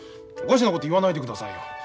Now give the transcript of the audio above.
おかしなこと言わないでくださいよ。